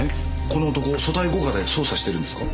この男組対五課で捜査してるんですか？